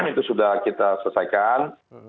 itu sudah kita selesaikan